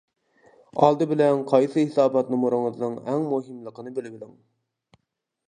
ئالدى بىلەن قايسى ھېسابات نومۇرىڭىزنىڭ ئەڭ مۇھىملىقىنى بىلىۋېلىڭ.